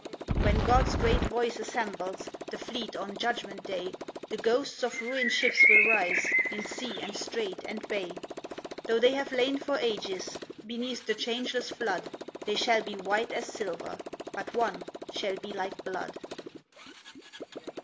When God's great voice assembles The fleet on Judgment Day, The ghosts of ruined ships will rise In sea and strait and bay. Though they have lain for ages Beneath the changeless flood, They shall be white as silver, But one shall be like blood.